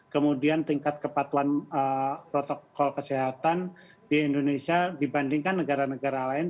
kemudian tingkat kepatuhan protokol kesehatan di indonesia dibandingkan negara negara lain